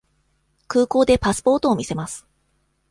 空港でパスポートを見せます。